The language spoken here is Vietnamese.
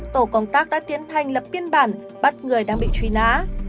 tổ công tác đã tiến hành lập biên bản bắt người đang bị truy nã